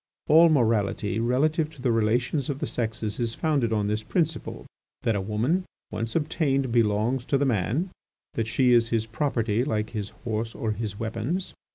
All morality relative to the relations of the sexes is founded on this principle: that a woman once obtained belongs to the man, that she is his property like his horse or his weapons.